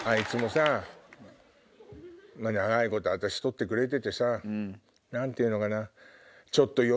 さ長いこと私撮ってくれててさ何ていうのかな。